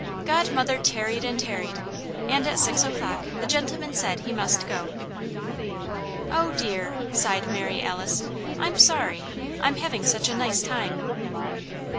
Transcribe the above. Godmother tarried and tarried, and at six o'clock the gentleman said he must go. "Oh, dear!" sighed Mary Alice. "I'm sorry! I'm having such a nice time."